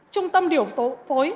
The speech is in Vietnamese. trung tâm điều phối